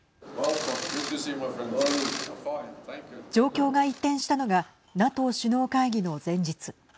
状況が一転したのがＮＡＴＯ首脳会議の前日。